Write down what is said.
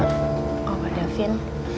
pak da vin